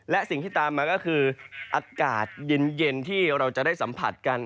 และสิ่งที่ตามมาก็คืออากาศเย็นที่เราจะได้สัมผัสกัน